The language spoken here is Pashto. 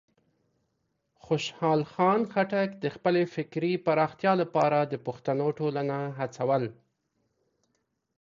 خوشحال خان خټک د خپلې فکري پراختیا لپاره د پښتنو ټولنه هڅول.